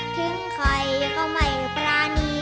ทุ้งใครก็หมายปราณี